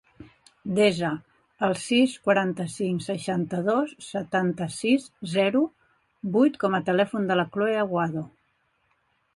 Desa el sis, quaranta-cinc, seixanta-dos, setanta-sis, zero, vuit com a telèfon de la Cloè Aguado.